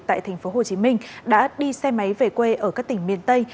tại thành phố hồ chí minh đã đi xe máy về quê ở các tỉnh miền tây